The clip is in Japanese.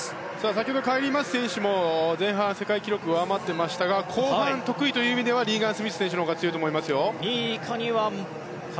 先ほどカイリー・マス選手も前半、世界記録を上回っていましたが後半得意という意味ではリーガン・スミス選手のほうが強いと思います。